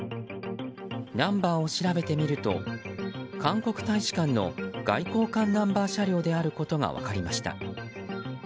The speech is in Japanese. ナンバーを調べてみると韓国大使館の外交官ナンバー車両であることが分かりました。